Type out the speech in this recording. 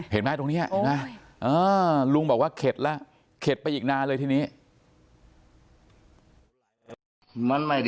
เห็นไหมตรงนี้ลุงบอกว่าเข็ดละเข็ดไปอีกนานเลยทีนี้